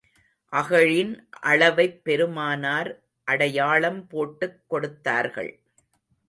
அகழின் அளவைப் பெருமானார் அடையாளம் போட்டுக் கொடுத்தார்கள்.